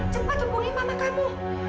cepat hubungin mama kamu